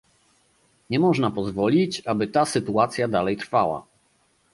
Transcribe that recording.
Nie można pozwolić, aby ta sytuacja dalej trwała